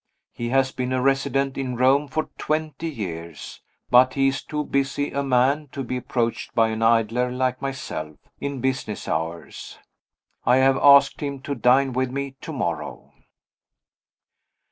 He has been a resident in Rome for twenty years but he is too busy a man to be approached, by an idler like myself, in business hours. I have asked him to dine with me to morrow.